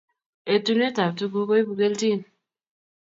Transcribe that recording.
Etunet a tuguk koibu kelgin